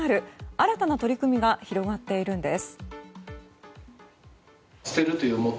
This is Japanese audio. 新たな取り組みが広がっているんです。